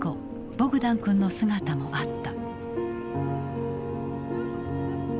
ボグダン君の姿もあった。